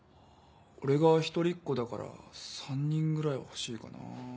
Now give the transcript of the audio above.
俺が一人っ子だから３人ぐらい欲しいかなぁ。